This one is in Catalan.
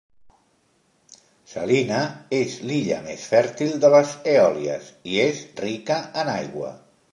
Salina és l'illa més fèrtil de les Eòlies i és rica en aigua.